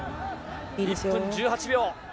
１分１８秒。